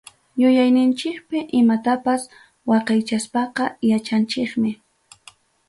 Yuyayninchikpi imatapas waqaychaspaqa, yachanchikmi.